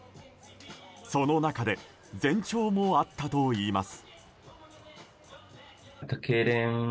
その中で前兆もあったといいます。